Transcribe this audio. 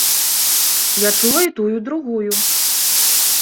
Я чула і тую, і другую.